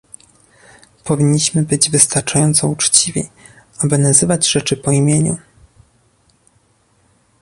Powinniśmy być wystarczająco uczciwi, aby nazywać rzeczy po imieniu